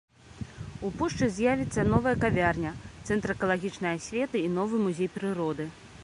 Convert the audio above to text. У пушчы з'явіцца новая кавярня, цэнтр экалагічнай асветы і новы музей прыроды.